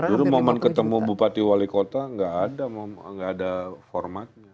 dulu momen ketemu bupati wali kota gak ada gak ada formatnya